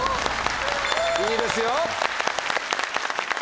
いいですよ！